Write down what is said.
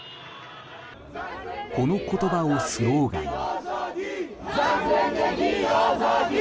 この言葉をスローガンに。